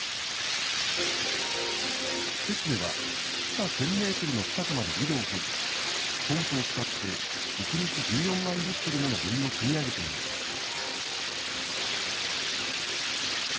施設では、地下１０００メートルの深さまで井戸を掘り、ポンプを使って１日１４万リットルものお湯をくみ上げていました。